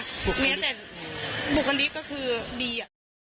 แม้แต่บุคลิกก็คือดี